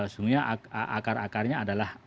sebenarnya akar akarnya adalah